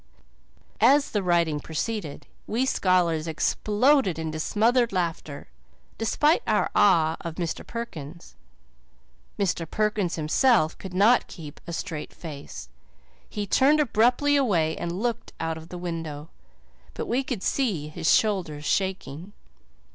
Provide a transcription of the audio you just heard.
As the writing proceeded we scholars exploded into smothered laughter, despite our awe of Mr. Perkins. Mr. Perkins himself could not keep a straight face. He turned abruptly away and looked out of the window, but we could see his shoulders shaking.